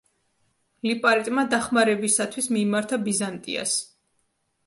ლიპარიტმა დახმარებისათვის მიმართა ბიზანტიას.